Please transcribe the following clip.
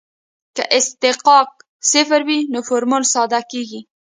که اصطکاک صفر وي نو فورمول ساده کیږي